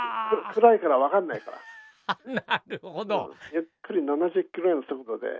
ゆっくり７０キロぐらいの速度で。